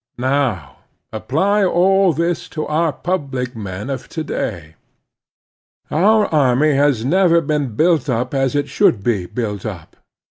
Now, apply all this to our public men of to day. Our army has never been built up as it should be built up.